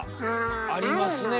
ありますねえ。